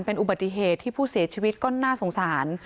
เป็นอุบัติเหตุที่ผู้เสียชีวิตก็น่าสงสาร